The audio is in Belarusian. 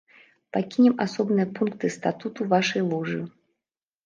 Пакінем асобныя пункты статуту вашай ложы.